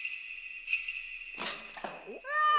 うわ！